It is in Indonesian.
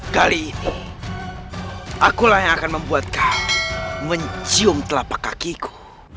kali ini akulah yang akan membuat kau mencium telapak kakiku